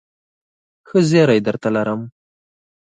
ښه زېری درته لرم ..